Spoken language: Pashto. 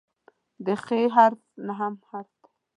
د "خ" حرف نهم حرف دی.